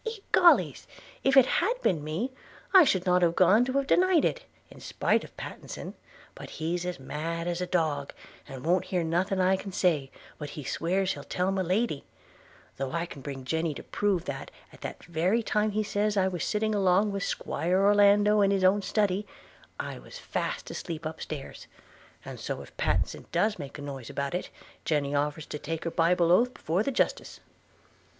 – Egollys! if it had been me, I should not have gone to have denied it, in spite of Pattenson; but he's as mad as a dog, and won't hear nothing I can say, but swears he'll tell my Lady – though I can bring Jenny to prove that, at that very time as he says I was sitting along with 'Squire Orlando in his own study, I was fast asleep up stairs – And so if Pattenson does make a noise about it, Jenny offers to take her bible oath before the Justice.'